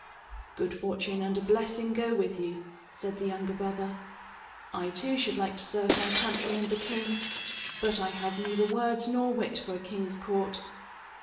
"Good fortune and a blessing go with you," said the younger brother. "I, too, should like to serve my country and the king, but I have neither words nor wit for a king's court.